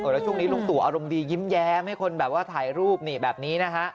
แล้วช่วงนี้ลุงตู่อารมณ์ดียิ้มแยมให้คนถ่ายรูปแบบนี้